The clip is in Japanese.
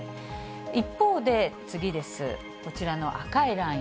一方で、次です、こちらの赤いライン。